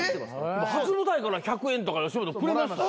初舞台から１００円とか吉本くれました。